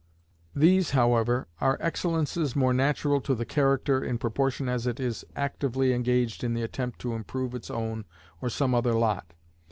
These, however, are excellences more natural to the character, in proportion as it is actively engaged in the attempt to improve its own or some other lot.